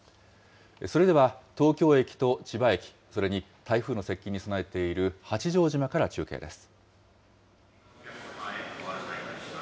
それでは東京駅と千葉駅、それに台風の接近に備えている八丈島から中継です。